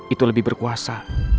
itu lebih berkuasa